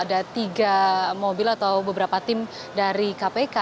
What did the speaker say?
ada tiga mobil atau beberapa tim dari kpk